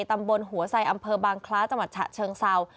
ตำบลหัวไซอำเภอบางคล้าจังหวัดฉะเชิงเศร้า